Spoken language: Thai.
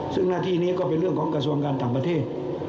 ซึ่งหน้าที่นี้ก็เป็นเรื่องของกระทรวงการต่างประเทศ